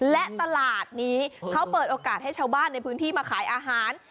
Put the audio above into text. และตลาดนี้เขาเปิดโอกาสให้ชาวบ้านในพื้นที่มาขายอาหาร